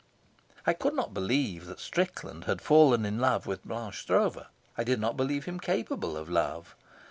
I could not believe that Strickland had fallen in love with Blanche Stroeve. I did not believe him capable of love.